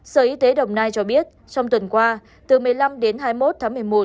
sở y tế đồng nai cho biết trong tuần qua từ một mươi năm đến hai mươi một tháng một mươi một